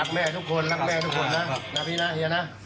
แม่ทุกคนรักแม่ทุกคนนะนะพี่นะเฮียนะ